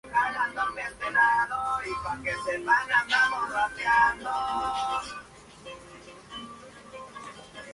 Así, Washington tiene un perfil relativamente modesto en comparación con otras grandes ciudades estadounidenses.